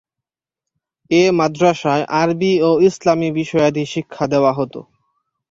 এ মাদ্রাসায় আরবি ও ইসলামী বিষয়াদি শিক্ষা দেওয়া হতো।